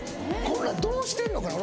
これはどうしてんのかな